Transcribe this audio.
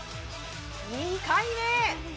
２回目。